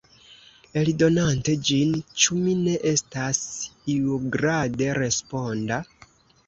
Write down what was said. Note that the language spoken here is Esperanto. Eldonante ĝin, ĉu mi ne estas iugrade responda?